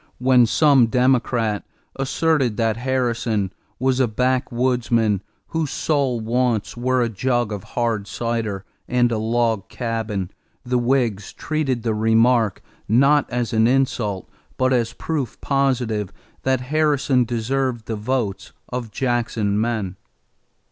When some Democrat asserted that Harrison was a backwoodsman whose sole wants were a jug of hard cider and a log cabin, the Whigs treated the remark not as an insult but as proof positive that Harrison deserved the votes of Jackson men.